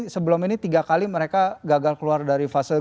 sebelum ini tiga kali mereka gagal keluar dari fase dua